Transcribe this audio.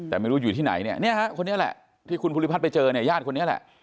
แต่ไม่รู้อยู่ที่ไหนเนี่ยเนี่ยฮะคนนี้แหละที่คุณภูริพัฒน์ไปเจอเนี่ยญาติคนนี้แหละ